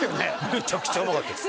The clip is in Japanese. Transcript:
めちゃくちゃうまかったです